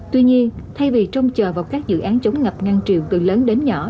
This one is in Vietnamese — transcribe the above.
tuy nhiên thay vì trông chờ vào các dự án chống ngập ngăn triều từ lớn đến nhỏ